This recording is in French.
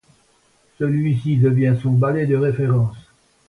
Celui-ci devient son ballet de référence.